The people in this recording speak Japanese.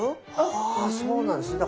あそうなんですね！